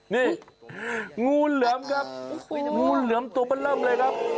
นี่งูเหลือมครับงูเหลือมตัวมันเริ่มเลยครับ